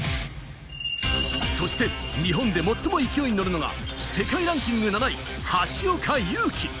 そして日本で最も勢いに乗るのが世界ランキング７位、橋岡優輝。